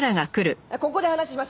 ここで話しましょう。